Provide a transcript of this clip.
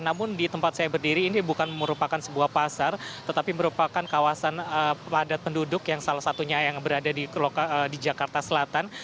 namun di tempat saya berdiri ini bukan merupakan sebuah pasar tetapi merupakan kawasan padat penduduk yang salah satunya yang berada di jakarta selatan